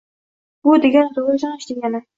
Bu degani – rivojlanish degani.